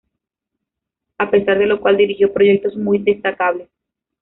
A pesar de lo cual dirigió proyectos muy destacables.